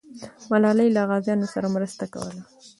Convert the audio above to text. ملالۍ له غازیانو سره مرسته کوله.